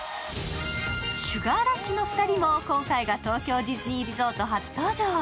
「シュガー・ラッシュ」の２人も今回が東京ディズニーリゾート初登場。